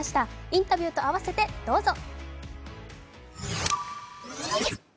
インタビューと合わせてどうぞ！